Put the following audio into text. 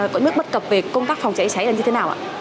có những bất cập về công tác phòng cháy cháy là như thế nào ạ